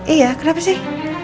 iya kenapa sih